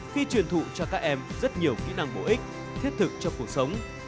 khi truyền thụ cho các em rất nhiều kỹ năng bổ ích thiết thực cho cuộc sống